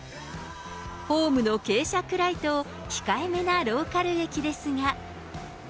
ホームの傾斜ぐらいと控えめなローカル駅ですが。